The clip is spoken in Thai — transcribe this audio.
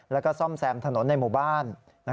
แล้วก็ซ่อมแซมถนนในหมู่บ้าน